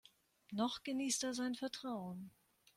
Noch genießt er sein Vertrauen.